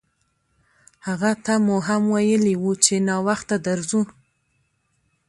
هغه ته مو هم ویلي وو چې ناوخته درځو.